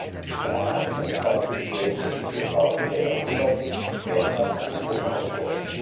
Die danach entstandene Kirche ist im Laufe der Jahrhunderte mehrfach umgebaut worden.